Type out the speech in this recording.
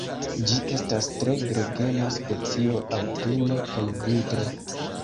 Ĝi estas tre gregema specio aŭtune kaj vintre.